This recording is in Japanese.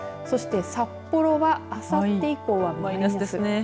そして、札幌はあさって以降はマイナスですね。